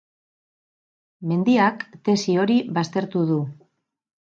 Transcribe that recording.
Mendiak tesi hori baztertu du.